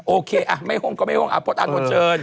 โอเคไม่ห้มก็ไม่ห้มอัพพอร์ตอันหมดเชิญ